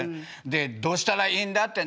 で「どうしたらいいんだ」って。